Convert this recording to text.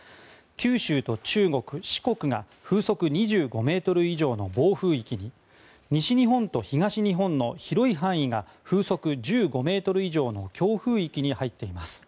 九州と中国、四国が風速２５メートル以上の暴風域に西日本と東日本の広い範囲が風速１５メートル以上の強風域に入っています。